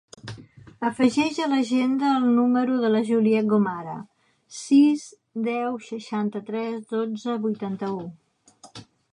Afegeix a l'agenda el número de la Juliette Gomara: sis, deu, seixanta-tres, dotze, vuitanta-u.